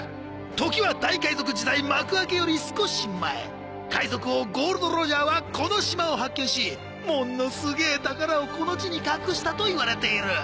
時は大海賊時代幕開けより少し前海賊王ゴールド・ロジャーはこの島を発見しものすげえ宝をこの地に隠したといわれている。